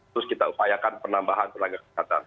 terus kita upayakan penambahan tenaga kesehatan